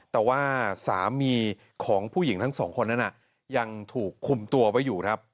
แต่ว่าสามีของผู้หญิงทั้งสองคนนั้นยังถูกคุมตัวไว้อยู่ครับ